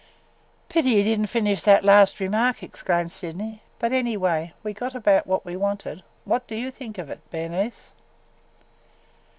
"Pity he did n't finish that last remark!" exclaimed Sydney. "But anyway we got about what we wanted. What do you think of it, Bernice?"